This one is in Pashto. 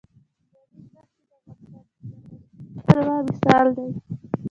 د ریګ دښتې د افغانستان د جغرافیوي تنوع مثال دی.